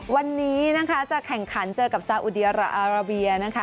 วันนี้จะแข่งขันเจอกับซาอุเดียราอาราเบีย